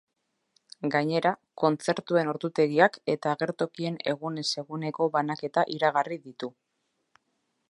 Gainera, kontzertuen ordutegiak eta agertokien egunez eguneko banaketa iragarri ditu.